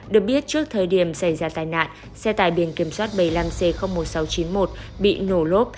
được biết trước thời điểm xảy ra tai nạn xe tải biển kiểm soát bảy mươi năm c một nghìn sáu trăm chín mươi một bị nổ lốp